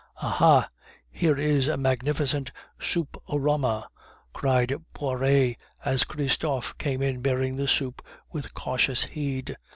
"Aha! here is a magnificent soupe au rama," cried Poiret as Christophe came in bearing the soup with cautious heed.